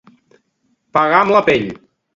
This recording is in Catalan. Pagar amb la pell.